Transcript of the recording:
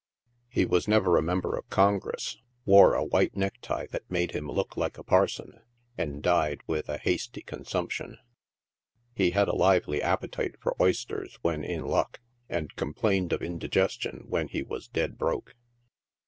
He was never a Member of Congress, wore a white neck tie that made him look like a parson, and died with a hasty consumption. He had a lively appetite for oysters when in luck, and complained of indi gestion when he was dead broke.